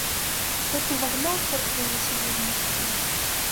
От увагнаў чорт мяне сягоння сюды!